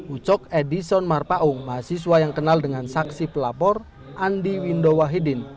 ucok edison marpaung mahasiswa yang kenal dengan saksi pelapor andi window wahidin